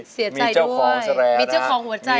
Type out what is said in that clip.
เสียใจด้วยมีเจ้าของแสระนะมีเจ้าของหัวใจแล้ว